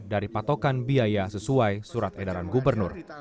dari patokan biaya sesuai surat edaran gubernur